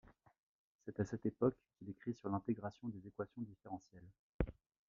C'est à cette époque qu'il écrit sur l'intégration des équations différentielles.